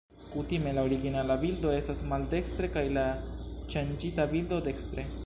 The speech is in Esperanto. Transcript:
Kutime, la originala bildo estas maldekstre, kaj la ŝanĝita bildo dekstre.